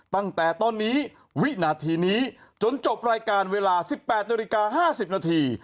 ตั้งแต่ต้นนี้วินาทีนี้จนจบรายการเวลา๑๘นาฬิกา๕๐นาที